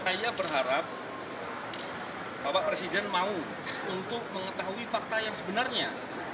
saya berharap bapak presiden mau untuk mengetahui fakta yang sebenarnya